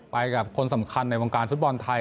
ไปกับคนสำคัญในวงการฟุตบอลไทย